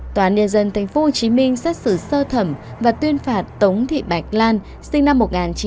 tòa án nhà dân tp hcm xét xử sơ thẩm và tuyên phạt tống thị bạch lan sinh năm một nghìn chín trăm bảy mươi bốn